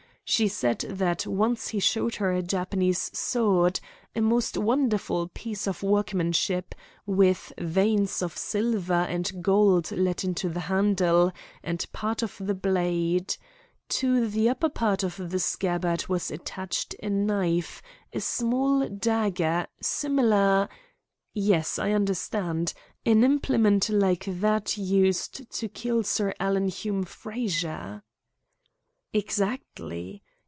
She said that once he showed her a Japanese sword, a most wonderful piece of workmanship, with veins of silver and gold let into the handle and part of the blade. To the upper part of the scabbard was attached a knife a small dagger similar " "Yes, I understand. An implement like that used to kill Sir Alan Hume Frazer." "Exactly.